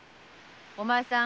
お前さん